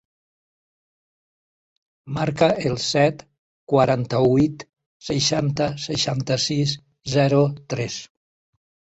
Marca el set, quaranta-vuit, seixanta, seixanta-sis, zero, tres.